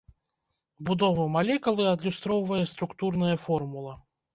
Будову малекулы адлюстроўвае структурная формула.